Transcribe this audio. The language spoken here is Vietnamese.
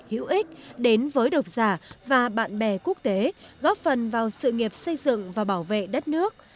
hữu ích đến với độc giả và bạn bè quốc tế góp phần vào sự nghiệp xây dựng và bảo vệ đất nước